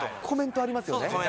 コメントありますよね。